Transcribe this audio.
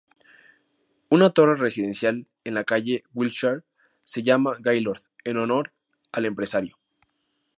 Una torre residencial en la calle Wilshire, se llama Gaylord en honor al empresario.